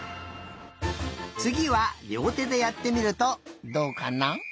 つぎはりょうてでやってみるとどうかな？